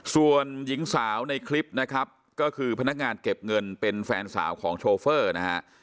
ส่วนหญิงสาวในคลิปนะครับก็คือพนักงานเก็บเงินเป็นแฟนสาวของโชเฟอร์นะฮะ